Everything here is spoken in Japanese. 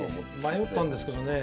迷ったんですけどね